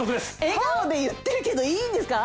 笑顔で言ってるけどいいんですか？